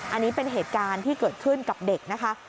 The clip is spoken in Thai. อันนี้เป็นเหตุการณ์ที่เกิดขึ้นกับเด็กนะคะ